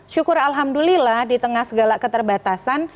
syukur alhamdulillah di tengah segala keterbatasan